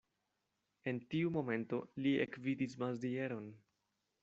En tiu momento li ekvidis Mazieron.